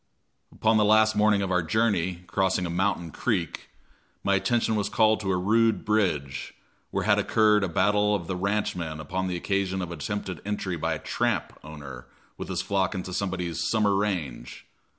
Upon the last morning of our journey, crossing a mountain creek, my attention was called to a rude bridge, where had occurred a battle of the ranchmen upon the occasion of an attempted entry by a "tramp" owner with his flock into somebody's "summer range."